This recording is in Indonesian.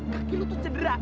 kaki lu tuh cedera